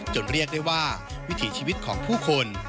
เรียกได้ว่าวิถีชีวิตของผู้คน